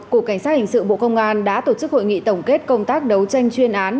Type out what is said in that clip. cục cảnh sát hình sự bộ công an đã tổ chức hội nghị tổng kết công tác đấu tranh chuyên án